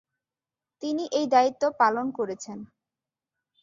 তিনি এই দায়িত্ব পালন করেছেন।